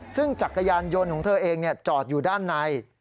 ซึ่งจักรยานยนต์ของเธอเองจอดอยู่ด้านใน